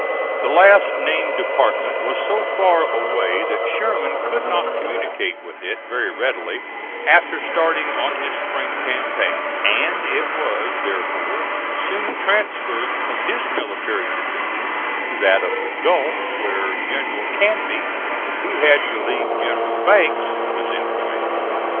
The last named department was so far away that Sherman could not communicate with it very readily after starting on his spring campaign, and it was therefore soon transferred from his military division to that of the Gulf, where General Canby, who had relieved General Banks, was in command.